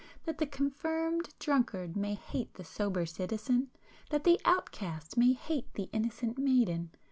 That the confirmed drunkard may hate the sober citizen? That the outcast may hate the innocent maiden?